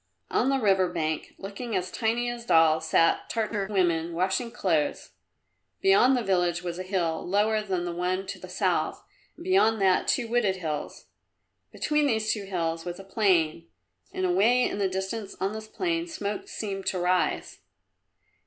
On the river bank, looking as tiny as dolls, sat Tartar women, washing clothes. Beyond the village was a hill, lower than the one to the south and beyond that two wooded hills. Between these two hills was a plain and away in the distance on this plain smoke seemed to rise.